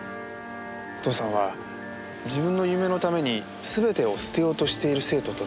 お父さんは自分の夢のために全てを捨てようとしている生徒と出会い